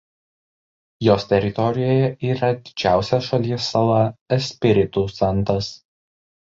Jos teritorijoje yra didžiausia šalies sala Espiritu Santas.